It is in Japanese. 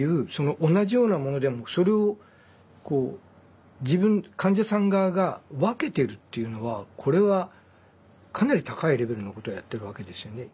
同じようなものでもそれをこう自分患者さん側が分けてるっていうのはこれはかなり高いレベルのことをやってるわけですよね。